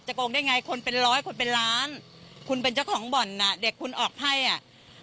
โกงได้ไงคนเป็นร้อยคนเป็นล้านคุณเป็นเจ้าของบ่อนอ่ะเด็กคุณออกไพ่อ่ะ